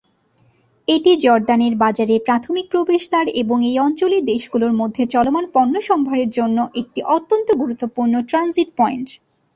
এটি জর্ডানের বাজারের প্রাথমিক প্রবেশ দ্বার এবং এই অঞ্চলের দেশগুলির মধ্যে চলমান পণ্যসম্ভার জন্য একটি অত্যন্ত গুরুত্বপূর্ণ ট্রানজিট পয়েন্ট।